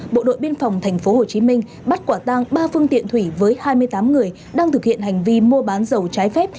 bộ đội biên phòng tp hcm bắt quả tang ba phương tiện thủy với hai mươi tám người đang thực hiện hành vi mua bán dầu trái phép